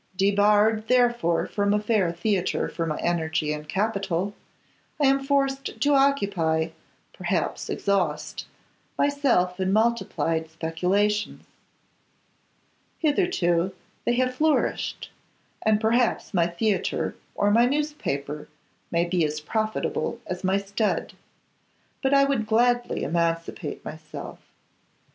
Debarred therefore from a fair theatre for my energy and capital, I am forced to occupy, perhaps exhaust, myself in multiplied speculations. Hitherto they have flourished, and perhaps my theatre, or my newspaper, may be as profitable as my stud. But I would gladly emancipate myself.